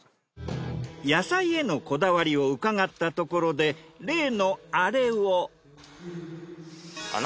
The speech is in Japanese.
野菜へのこだわりを伺ったところで例のアレを。